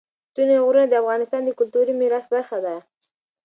ستوني غرونه د افغانستان د کلتوري میراث برخه ده.